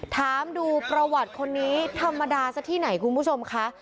ถามดูประวัติคนนี้ธรรมดาซะที่ไหนคุณผู้ชมคะ